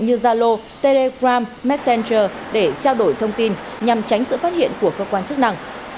như zalo telegram messenger để trao đổi thông tin nhằm tránh sự phát hiện của cơ quan chức năng